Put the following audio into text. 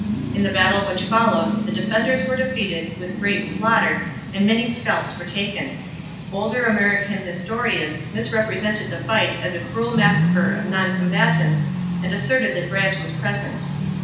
In the battle which followed, the defenders were defeated with great slaughter and many scalps were taken. Older American historians misrepresented the fight as a cruel massacre of non combatants and asserted that Brant was present.